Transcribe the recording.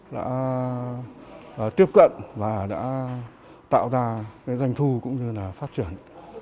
đã tiếp cận và đã tạo ra doanh thu cũng như là phát triển